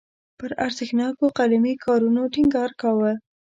پر ارزښتناکو قلمي کارونو ټینګار کاوه.